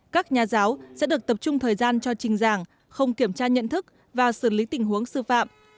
các nhà giáo sẽ được tập trung thời gian cho trình giảng không kiểm tra nhận thức và xử lý tình huống sư phạm